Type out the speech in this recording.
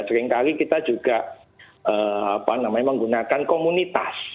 seringkali kita juga menggunakan komunitas